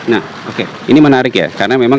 nah oke ini menarik ya karena memang